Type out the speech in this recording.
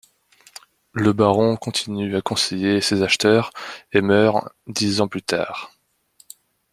Le baron continue à conseiller ses acheteurs et meurt dix ans plus tard.